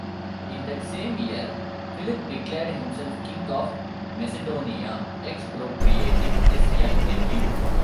In that same year Philip declared himself king of Macedonia, expropriating his young nephew.